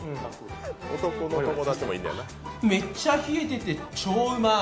めっちゃ冷えててちょうまい。